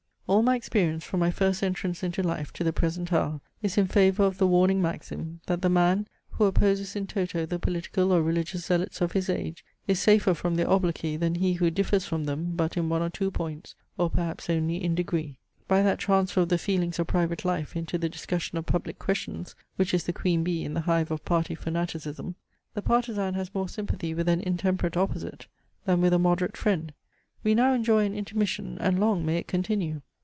All my experience from my first entrance into life to the present hour is in favour of the warning maxim, that the man, who opposes in toto the political or religious zealots of his age, is safer from their obloquy than he who differs from them but in one or two points, or perhaps only in degree. By that transfer of the feelings of private life into the discussion of public questions, which is the queen bee in the hive of party fanaticism, the partisan has more sympathy with an intemperate opposite than with a moderate friend. We now enjoy an intermission, and long may it continue!